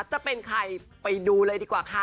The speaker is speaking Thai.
จะเป็นใครไปดูเลยดีกว่าค่ะ